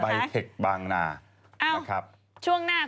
พี่ชอบแซงไหลทางอะเนาะ